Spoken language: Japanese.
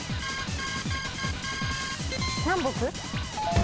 南北？